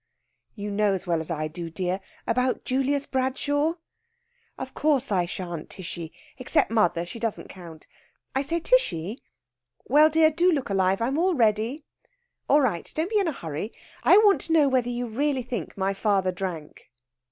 "You know as well as I do, dear about Julius Bradshaw." "Of course I shan't, Tishy. Except mother; she doesn't count. I say, Tishy!" "Well, dear. Do look alive. I'm all ready." "All right. Don't be in a hurry. I want to know whether you really think my father drank."